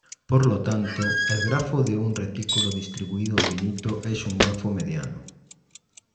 Por lo tanto, el grafo de un retículo distributivo finito es un grafo mediano.